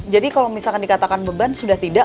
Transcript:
jadi kalau misalkan dikatakan beban sudah tidak